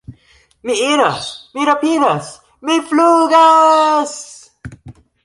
Mi iras, mi rapidas, mi flugas!